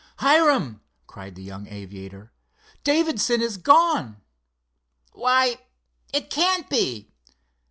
"Hiram," cried the young aviator, "Davidson is gone!" "Why, it can't be!